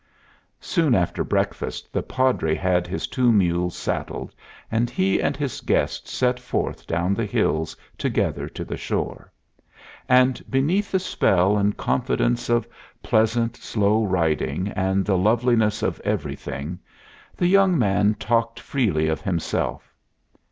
Soon after breakfast the Padre had his two mules saddled, and he and his guest set forth down the hills together to the shore. And, beneath the spell and confidence of pleasant, slow riding and the loveliness of everything, the young man talked freely of himself.